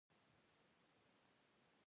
څنګه دې په داسې سهار پېښه راوکړه.